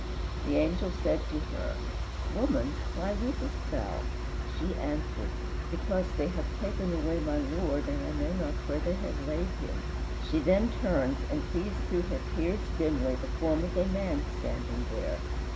The angel said to her, "Woman, why weepest thou? She answered, Because they have taken away my Lord, and I know not where they have laid him." She then turns and sees through her tears dimly the form of a man standing there.